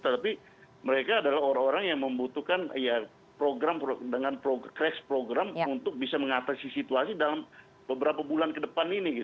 tetapi mereka adalah orang orang yang membutuhkan ya dengan crash program untuk bisa mengatasi situasi dalam beberapa bulan ke depan ini